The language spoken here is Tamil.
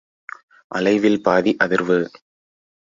அலைவில் பாதி அதிர்வு.